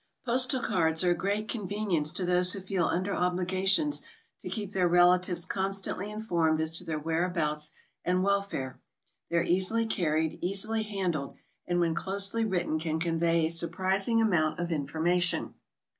Postal cards are a great convenience to those who feel tinder obligations to keep their relatives constantly informed as to their whereabouts and welfare. They are easily carried, easily handled, and When closely written can convey a sur prising amount of information.